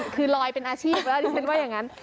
คือลอยเป็นอาชีพแล้วดิฉันว่าอย่างนั้น